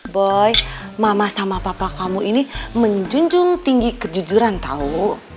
boy mama sama papa kamu ini menjunjung tinggi kejujuran tahu